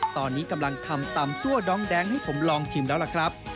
ตอนนี้กำลังทำตำซั่วดองแดงให้ผมลองชิมแล้วล่ะครับ